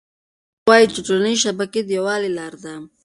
هغه وایي چې ټولنيزې شبکې د یووالي لاره ده.